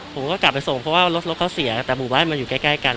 ผมก็กลับไปส่งเพราะว่ารถรถเขาเสียแต่หมู่บ้านมันอยู่ใกล้กัน